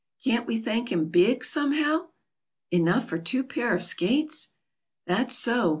"Can't we thank him big, somehow?" "Enough for two pair of skates?" "That's so.